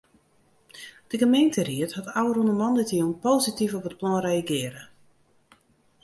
De gemeenteried hat ôfrûne moandeitejûn posityf op it plan reagearre.